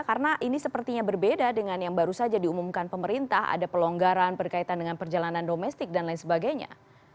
karena ini sepertinya berbeda dengan yang baru saja diumumkan pemerintah ada pelonggaran berkaitan dengan perjalanan domestik dan lain sebagainya